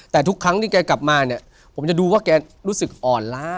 แต่ทุกครั้งที่แกกลับมาเนี่ยผมจะดูว่าแกรู้สึกอ่อนล้า